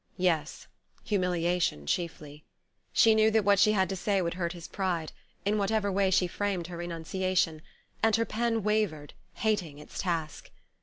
Yes: humiliation chiefly. She knew that what she had to say would hurt his pride, in whatever way she framed her renunciation; and her pen wavered, hating its task.